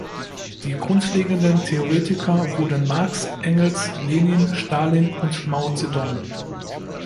Die grundlegenden Theoretiker wurden Marx, Engels, Lenin, Stalin und Mao Zedong.